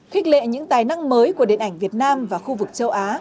khích lệ những tài năng mới của điện ảnh việt nam và khu vực châu á